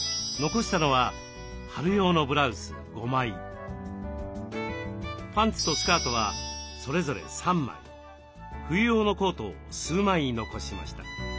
残したのはパンツとスカートはそれぞれ３枚冬用のコートを数枚残しました。